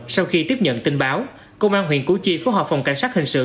sau khi tiếp nhận tin báo công an huyện củ chi phối hợp phòng cảnh sát hình sự